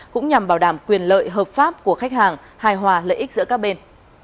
cũng nhằm bảo đảm quyền lợi hợp pháp của khách hàng hài hòa lợi ích giữa các bên